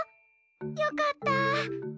よかった。